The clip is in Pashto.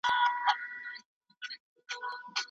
ایا کورني سوداګر وچ زردالو پلوري؟